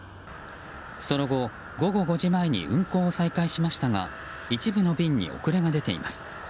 その後、午後５時前に運航を再開しましたが一部の便に遅れが出ています。